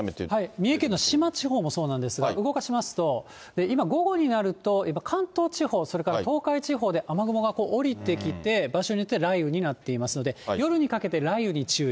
三重県のしま地方もそうなんですが、動かしますと、今、午後になると、関東地方、それから東海地方で雨雲が下りてきて、場所によっては雷雨になっていますので、夜にかけて雷雨に注意。